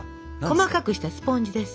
細かくしたスポンジです。